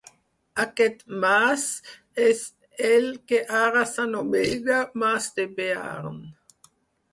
Aquest mas és el que ara s'anomena Mas de Bearn.